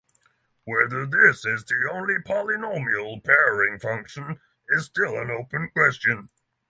Whether this is the only polynomial pairing function is still an open question.